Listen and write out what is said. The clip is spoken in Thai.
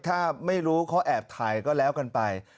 ถ้าไม่รู้เขาแอบถ่ายก็แล้วกันไป